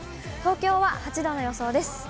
東京は８度の予想です。